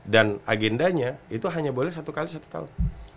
dan agendanya itu hanya boleh satu x satu tahun